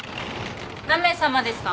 何名さまですか？